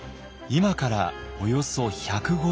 今からおよそ１５０年前。